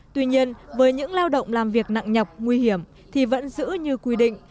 tuy nhiên với những lao động làm việc nặng nhọc nguy hiểm thì vẫn giữ như quy định